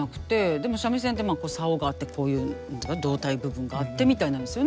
でも三味線って棹があってこういう胴体部分があってみたいなんですよね。